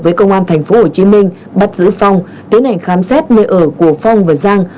với công an tp hồ chí minh bắt giữ phong tiến hành khám xét nơi ở của phong và giang